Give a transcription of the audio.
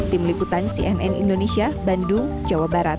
tim liputan cnn indonesia bandung jawa barat